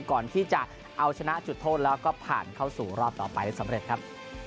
ก่อนที่จะเอาชนะจุดโทษแล้วก็ผ่านเข้าสู่รอบต่อไปได้สำเร็จครับ